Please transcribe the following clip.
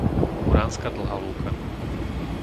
Muránska Dlhá Lúka